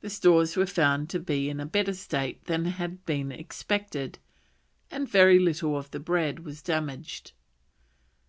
The stores were found to be in a better state than had been expected, and very little of the bread was damaged.